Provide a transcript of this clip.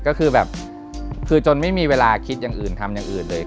ก็คือแบบคือจนไม่มีเวลาคิดอย่างอื่นทำอย่างอื่นเลย